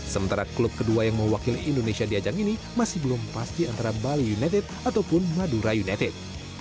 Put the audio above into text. sementara klub kedua yang mewakili indonesia di ajang ini masih belum pasti antara bali united ataupun madura united